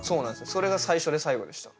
それが最初で最後でした。